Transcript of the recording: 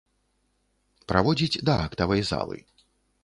Праводзіць да актавай залы.